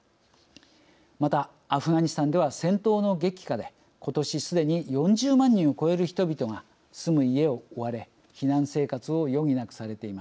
またアフガニスタンでは戦闘の激化でことしすでに４０万人を超える人々が住む家を追われ避難生活を余儀なくされています。